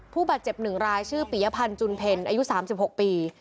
ผู้บาดเจ็บ๑รายชื่อปียพันธ์จุนเพลอายุ๓๖ปี